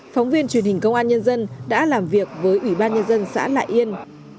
phóng viên truyền hình công an nhân dân đã làm việc với ủy ban nhân dân xã nại yên